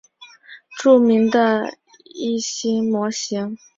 著名的易辛模型是他发明的。